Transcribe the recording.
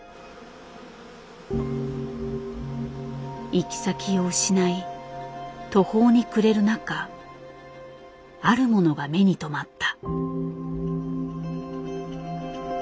行き先を失い途方に暮れる中あるものが目に留まった。